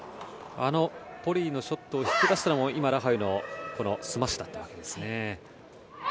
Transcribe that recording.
あのポリイのショットを引き出したのも今、ラハユのスマッシュだったわけですね。